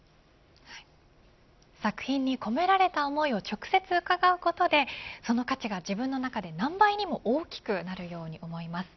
作品に込められた思いを直接伺うことでその価値が自分の中で何倍にも大きくなるように思います。